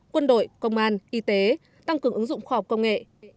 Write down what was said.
quân đội công an y tế tăng cường ứng dụng khoa học công nghệ